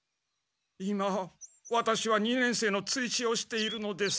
今ワタシは二年生の追試をしているのです。